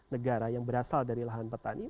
negara yang berasal dari lahan petani